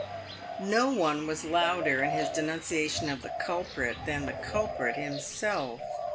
flo one was louder in his denunciation of the culprit than the culprit himself.